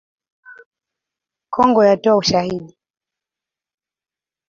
Kongo yatoa ushahidi